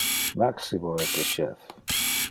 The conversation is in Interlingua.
Maximo es le chef.